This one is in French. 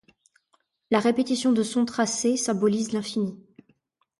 La répétition de son tracé symbolise l'infini.